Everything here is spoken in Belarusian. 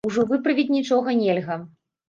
Ужо выправіць нічога нельга.